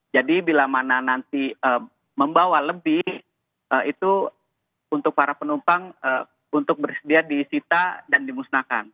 jadi bila mana nanti membawa lebih itu untuk para penumpang untuk bersedia disita dan dimusnahkan